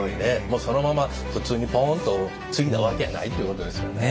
もうそのまま普通にポンと継いだわけやないってことですよね。